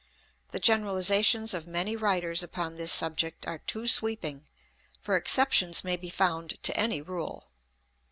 The generalizations of many writers upon this subject are too sweeping, for exceptions may be found to any rule.